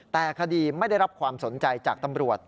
แต่คดีไม่ได้รับความสนใจจากตำรวจ